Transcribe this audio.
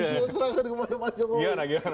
saya serahkan ke mana pak jokowi